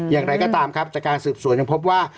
อย่างไรก็ตามครับจากการสืบสวนยังพบว่า